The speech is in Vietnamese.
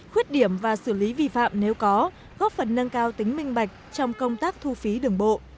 khuyết điểm và xử lý vi phạm nếu có góp phần nâng cao tính minh bạch trong công tác thu phí đường bộ